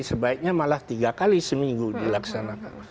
sebaiknya malah tiga kali seminggu dilaksanakan